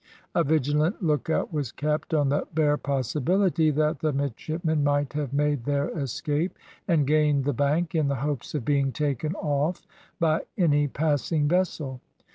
A vigilant lookout was kept, on the bare possibility that the midshipmen might have made their escape, and gained the bank, in the hopes of being taken off by any passing vessel.